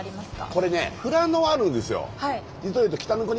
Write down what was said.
これね富良野はあるんですよ。